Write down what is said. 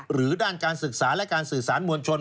หรือด้านการศึกษาและการสื่อสารมวลชน